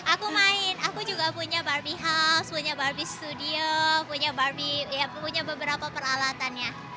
aku main aku juga punya barbie house punya barbie studio punya barbie punya beberapa peralatannya